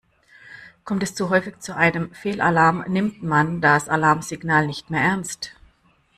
Kommt es zu häufig zu einem Fehlalarm, nimmt man das Alarmsignal nicht mehr ernst.